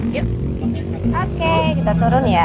oke kita turun ya